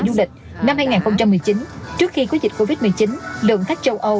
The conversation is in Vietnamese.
du lịch năm hai nghìn một mươi chín trước khi có dịch covid một mươi chín lượng khách châu âu